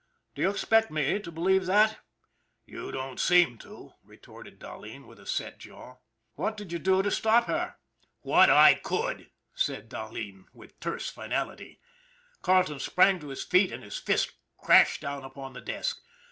" Do you expect me to believe that ?"" You don't seem to," retorted Dahleen, with a set jaw. " What did you do to stop her? " GUARDIAN OF THE DEVIL'S SLIDE 169 " What I could," said Dahleen, with terse finality. Carleton sprang to his feet, and his fist crashed down upon the desk.